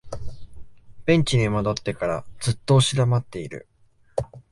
ベンチに戻ってからずっと押し黙っている